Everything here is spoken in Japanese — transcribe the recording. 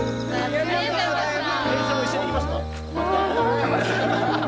ありがとうございます。